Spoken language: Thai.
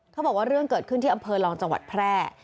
เขาบอกว่าเรื่องเกิดขึ้นที่อำเภอลองจังหวัดแพร่